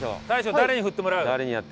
大昇誰に振ってもらう？